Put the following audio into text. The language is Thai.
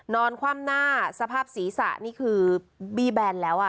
คว่ำหน้าสภาพศีรษะนี่คือบี้แบนแล้วอ่ะ